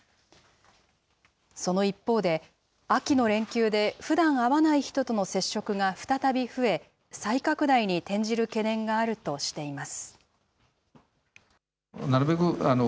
その一方で、秋の連休でふだん会わない人との接触が再び増え、再拡大に転じる懸念があるとしています。